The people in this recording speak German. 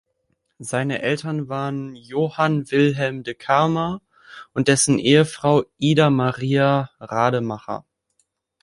Seine Eltern waren "Johann Wilhelm de Carmer" und dessen Ehefrau "Ida Maria Rademacher".